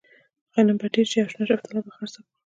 غنم به ډېر شي او شنه شفتله به خرڅه کړو.